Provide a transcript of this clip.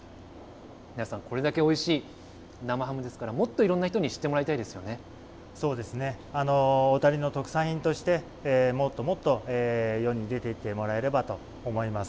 那谷さん、これだけおいしい生ハムですから、もっといろんな人にそうですね、小谷の特産品としてもっともっと世に出ていってもらえればと思います。